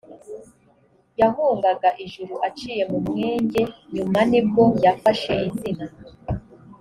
yahungaga ijuru aciye mu mwenge nyuma ni bwo yafashe izina